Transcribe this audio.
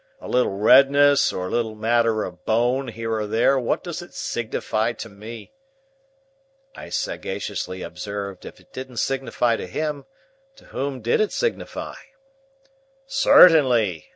A little redness or a little matter of Bone, here or there, what does it signify to Me?" I sagaciously observed, if it didn't signify to him, to whom did it signify? "Certainly!"